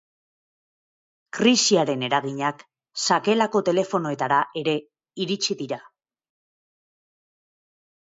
Krisiaren eraginak sakelako telefonoetara ere iritis dira.